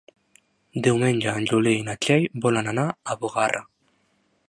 Diumenge en Juli i na Txell volen anar a Bugarra.